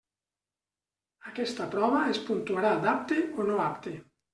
Aquesta prova es puntuarà d'apte o no apte.